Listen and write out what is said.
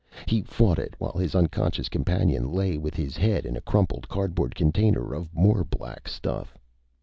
He fought it, while his unconscious companion lay with his head in a crumpled cardboard container of more black stuff.